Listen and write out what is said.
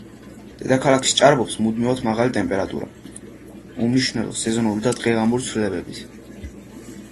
დედაქალაქში ჭარბობს მუდმივად მაღალი ტემპერატურა უმნიშვნელო სეზონური და დღე-ღამური ცვლილებებით.